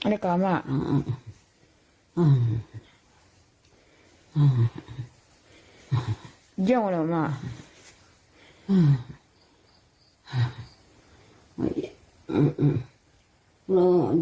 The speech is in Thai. ลักษณะเพลินแล้ว